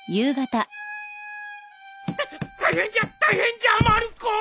たたっ大変じゃ大変じゃまる子！